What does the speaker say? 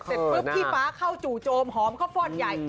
พี่ฟ้าเข้าจูโจมหอมเข้าฟ่อนใหญ่